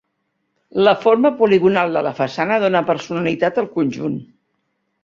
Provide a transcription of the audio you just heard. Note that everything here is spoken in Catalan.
La forma poligonal de la façana dóna personalitat al conjunt.